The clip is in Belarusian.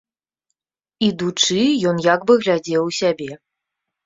Ідучы, ён як бы глядзеў у сябе.